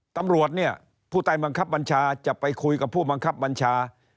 ตำรวจเนี่ยผู้ใต้บังคับบัญชาจะไปคุยกับผู้บังคับบัญชา